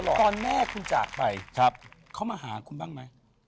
ตอนแม่คุณจากไปเขามาหาคุณบ้างไหม